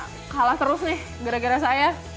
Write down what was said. saya kalah terus nih gara gara saya